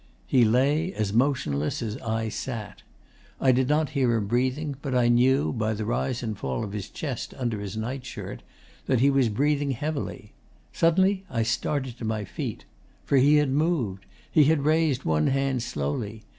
He lay as motionless as I sat. I did not hear him breathing, but I knew, by the rise and fall of his chest under his nightshirt, that he was breathing heavily. Suddenly I started to my feet. For he had moved. He had raised one hand slowly.